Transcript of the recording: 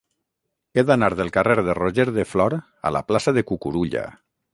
He d'anar del carrer de Roger de Flor a la plaça de Cucurulla.